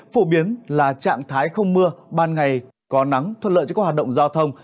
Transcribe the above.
phổ biến là trạng thái không mưa ban ngày có nắng thuận lợi cho các hoạt động giao thông